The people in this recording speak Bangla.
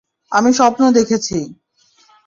আমি স্বপ্ন দেখেছি।